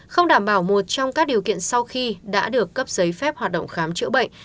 không đảm bảo một trong các điều kiện sau khi đã được cấp giấy phép hoạt động khám chữa bệnh